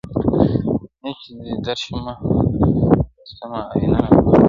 نيت چي دی درشمه او سمه آئينه را واخلم